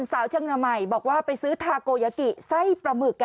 สาวเชียงนำใหม่บอกว่าไปซื้อไส้ปลาหมึกอ่ะ